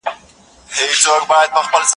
که سوله وسي دښمني به پاته نسي.